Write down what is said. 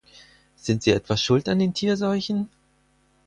Sind sie etwa schuld an den Tierseuchen?